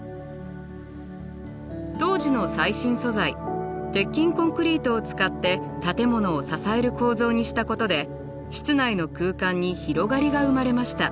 当時の最新素材鉄筋コンクリートを使って建物を支える構造にしたことで室内の空間に広がりが生まれました。